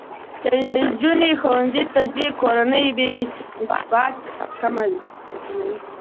که نجونې ښوونځي ته ځي، کورنۍ بې اتفاقي کمه وي.